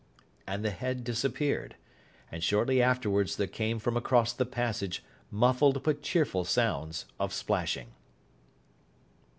And the head disappeared; and shortly afterwards there came from across the passage muffled but cheerful sounds of splashing.